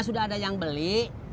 sudah ada yang beli